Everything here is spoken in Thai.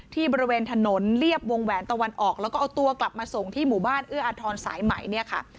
บริเวณถนนเรียบวงแหวนตะวันออกแล้วก็เอาตัวกลับมาส่งที่หมู่บ้านเอื้ออาทรสายใหม่เนี่ยค่ะ